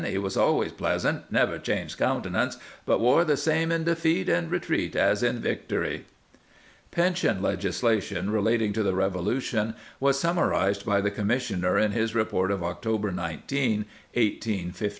He was always pleasant ; never changed countenance, but wore the same in defeat and retreat as in victory. Pension legislation relating to the Revolution was summarized by the Commissioner in his re port of October ig, 1857.'